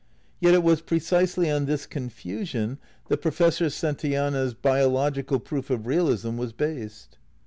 Yet it was precisely on this confusion that Professor Santayana's biological proof of realism was based.